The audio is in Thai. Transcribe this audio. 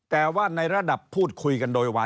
แต่ว่าในระดับพูดคุยกันโดยวาย